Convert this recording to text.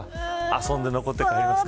遊んで残って帰りますか。